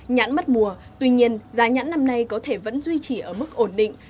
nhãn mất mùa tuy nhiên giá nhãn năm nay có thể vẫn duy trì ở mức ổn định